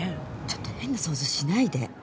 ちょっと変な想像しないで。